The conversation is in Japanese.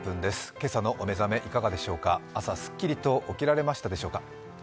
今朝のお目覚め、いかがでしょうか朝すっきりと起きられましたでしょうか。